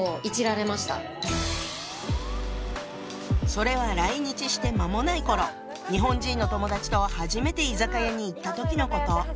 それは来日して間もない頃日本人の友達と初めて居酒屋に行った時のこと。